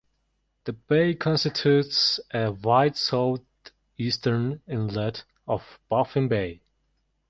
The bay constitutes a wide southeastern inlet of Baffin Bay.